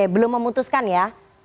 belum memutuskan ya